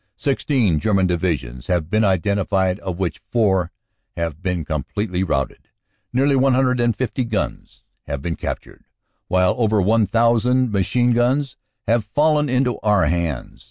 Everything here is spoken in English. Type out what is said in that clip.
Sixteen German Divisions have been identi fied, of which four have been completely routed. Nearly 150 guns have been captured, while over 1,000 machine guns have fallen into our hands.